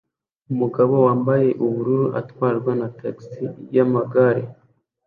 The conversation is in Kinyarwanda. Umugabo wambaye ubururu atwarwa na tagisi yamagare